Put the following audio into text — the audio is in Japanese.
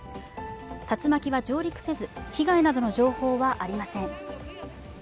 竜巻は上陸せず、被害などの情報はありません。